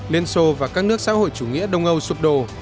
liên xô và các nước xã hội chủ nghĩa đông âu sụp đổ